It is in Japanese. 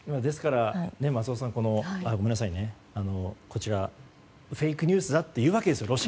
ですから、松尾さんフェイクニュースだと言うわけですよ